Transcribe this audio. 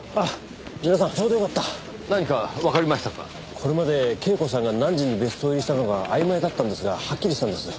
これまで恵子さんが何時に別荘入りしたのか曖昧だったんですがはっきりしたんです。